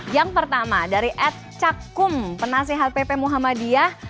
yang pertama dari ed cakkum penasihat pp muhammadiyah